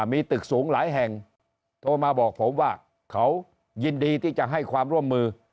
มีตึกสูงหลายแห่งโทรมาบอกผมว่าเขายินดีที่จะให้ความร่วมมือ